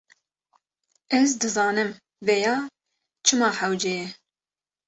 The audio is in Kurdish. Ez dizanim vêya çima hewce ye.